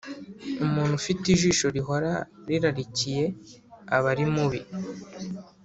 Umuntu ufite ijisho rihora rirarikiye, aba ari mubi,